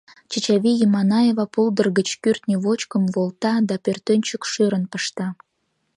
Чачавий Еманаева пулдыр гыч кӱртньӧ вочкым волта да пӧртӧнчык шӧрын пышта.